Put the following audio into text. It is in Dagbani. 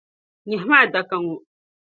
Nyɛhimi adaka ŋɔ.